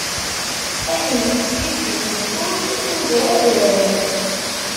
Ayen tettbibbi tmeṭṭut tugar adrar.